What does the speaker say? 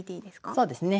そうですね。